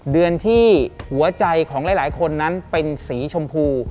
เดือนที่หัวใจของหลายคนนั้นเป็นสีชมพู